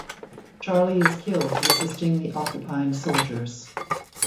Charlie is killed resisting the occupying soldiers.